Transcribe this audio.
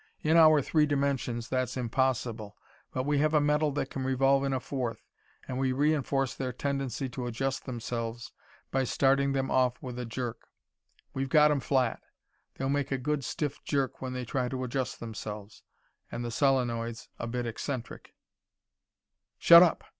In our three dimensions that's impossible, but we have a metal that can revolve in a fourth, and we reinforce their tendency to adjust themselves by starting them off with a jerk. We've got 'em flat. They'll make a good stiff jerk when they try to adjust themselves. And the solenoid's a bit eccentric " "Shut up!"